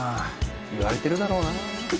言われてるだろうな。